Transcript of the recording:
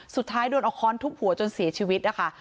สุดท้ายโดนเอาค้อนทุบหัวจนเสียชีวิตนะคะ